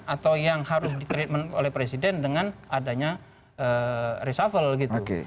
atau yang harus di treatment oleh presiden dengan adanya reshuffle gitu